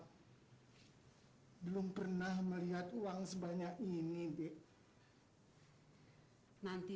saya tidak pernah melihat uang ini